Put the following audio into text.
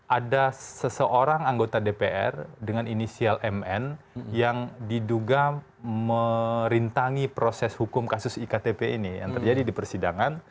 ada seseorang anggota dpr dengan inisial mn yang diduga merintangi proses hukum kasus iktp ini yang terjadi di persidangan